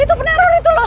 itu peneror itu loh